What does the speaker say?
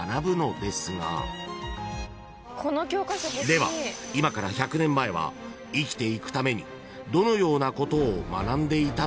［では今から１００年前は生きていくためにどのようなことを学んでいたのでしょうか？］